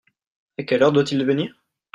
A quelle heure doit-il venir ?